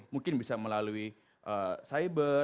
mungkin bisa melalui cyber